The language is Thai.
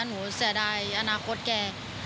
เสียดายอนาคตแก